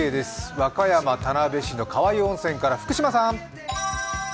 和歌山・田辺市の川湯温泉から福島さん。